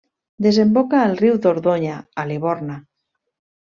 Desemboca al riu Dordonya a Liborna.